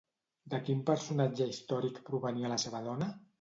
De quin personatge històric provenia la seva dona?